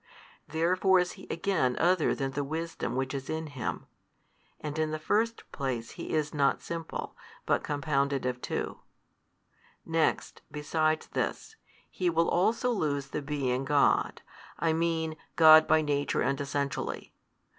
Therefore is He again other than the wisdom which is in Him, and in the first place He is not Simple, but compounded of two: next besides this, He will also lose the being God, I mean God by Nature and Essentially.